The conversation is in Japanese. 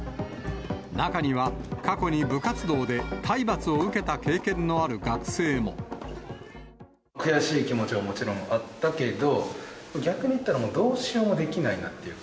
中には過去に部活動で、悔しい気持ちはもちろんあったけど、逆に言ったらどうしようもできないなっていうか。